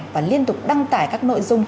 và liên tục đăng tải các nội dung